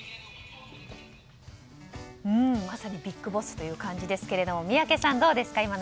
まさにビッグボスという感じですが宮家さん、どうですか